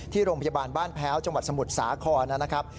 โรงพยาบาลบ้านแพ้วจังหวัดสมุทรสาครนะครับ